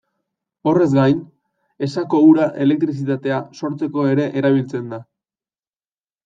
Horrez gain, Esako ura elektrizitatea sortzeko ere erabiltzen da.